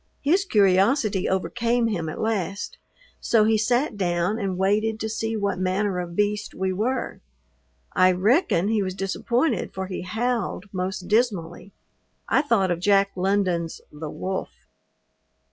His curiosity overcame him at last, so he sat down and waited to see what manner of beast we were. I reckon he was disappointed for he howled most dismally. I thought of Jack London's "The Wolf."